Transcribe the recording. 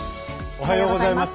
おはようございます。